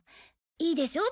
いいでしょ？